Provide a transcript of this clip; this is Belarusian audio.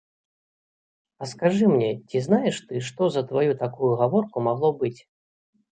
А скажы мне, ці знаеш ты, што за тваю такую гаворку магло быць?